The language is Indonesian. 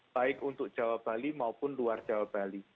baik untuk jawa bali maupun luar jawa bali